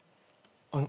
あの。